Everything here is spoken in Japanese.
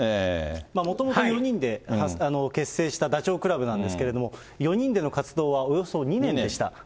もともと４人で結成したダチョウ倶楽部なんですけれども、４人での活動はおよそ２年でした。